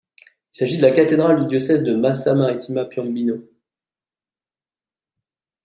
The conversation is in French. Il s'agit de la cathédrale du diocèse de Massa Marittima-Piombino.